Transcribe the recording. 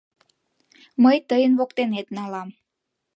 Мый тыйын воктенет налам.